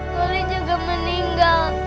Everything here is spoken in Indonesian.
poppy juga meninggal